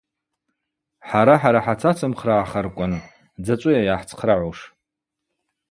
Хӏара-хӏара хӏацацымхърагӏарквын, дзачӏвыйа йгӏахӏцхърыгӏуш.